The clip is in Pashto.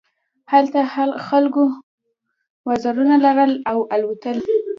هلته خلکو وزرونه لرل او الوتل.